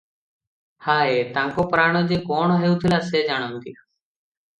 ହାୟ! ତାଙ୍କ ପ୍ରାଣ ଯେ କଣ ହେଉଥିଲା ସେ ଜାଣନ୍ତି ।